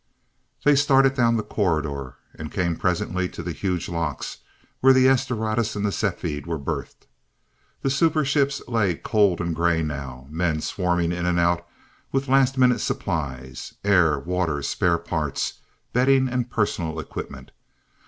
They started down the corridor, and came presently to the huge locks where the "S Doradus" and the "Cepheid" were berthed. The super ships lay cold and gray now, men swarming in and out with last minute supplies. Air, water, spare parts, bedding and personal equipment.